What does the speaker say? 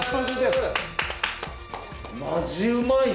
マジうまいね。